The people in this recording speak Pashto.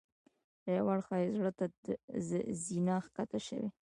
له یوه اړخه یې زړه ته زینه ښکته شوې.